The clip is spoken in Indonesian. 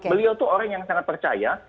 beliau tuh orang yang sangat percaya